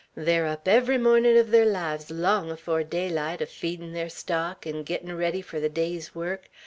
They're up every mornin' uv thar lives long afore daylight, a feedin' their stock, an' gittin' ready fur the day's work.